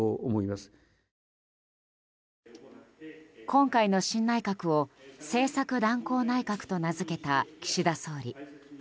今回の新内閣を政策断行内閣と名付けた岸田総理。